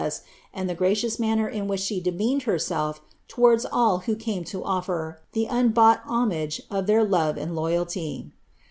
8, and ihe gracious manner in which she demeaned henelf towards dl who came to off "'' ght homage of their lofe and loyally.